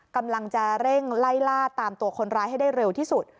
กำลังจะเร่งไล่ล่าตามตัวคนร้ายให้ได้เร็วที่สุด